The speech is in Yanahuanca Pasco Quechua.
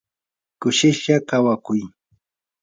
kushishlla kawakuy.